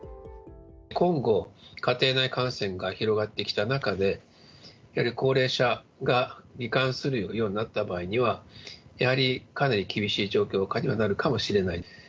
今後、家庭内感染が広がってきた中で、やはり高齢者がり患するようになった場合には、やはりかなり厳しい状況下にはなるかもしれない。